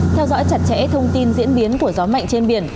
theo dõi chặt chẽ thông tin diễn biến của gió mạnh trên biển